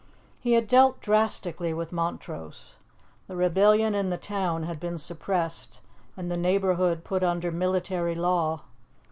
He had dealt drastically with Montrose. The rebellion in the town had been suppressed, and the neighbourhood put under military law.